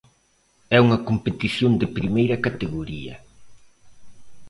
É unha competición de primeira categoría.